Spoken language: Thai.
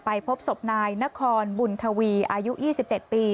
ไปพบศพนายนครบุญทวีอายุยี่สิบเจ็ดปี